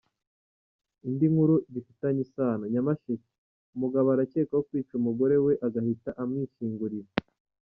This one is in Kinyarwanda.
Indi nkuru bifitanye isano :Nyamasheke: Umugabo arakekwaho kwica umugore we agahita amwishyingurira.